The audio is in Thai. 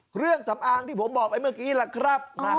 เครื่องสำอางที่ผมบอกไปเมื่อกี้ล่ะครับ